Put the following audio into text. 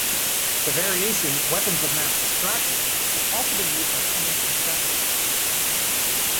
The variation Weapons of Mass Distraction has also been used by pundits and satirists.